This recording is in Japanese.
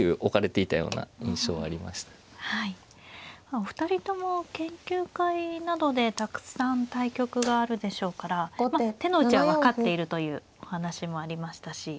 お二人とも研究会などでたくさん対局があるでしょうからまあ手の内は分かっているというお話もありましたし。